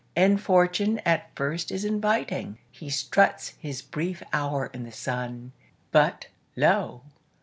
And fortune at first is inviting He struts his brief hour in the sun But, lo!